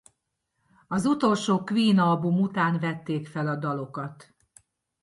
Az utolsó Queen-album után vették fel a dalokat.